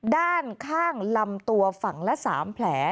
ด้านข้างลำตัวฝั่งละ๓แผล